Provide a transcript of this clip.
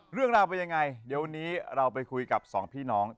เรื่องราวเป็นยังไงเดี๋ยววันนี้เราไปคุยกับสองพี่น้อง